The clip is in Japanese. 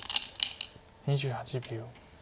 ２８秒。